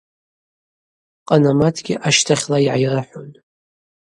Къанаматгьи ащтахьла йгӏайрыхӏун.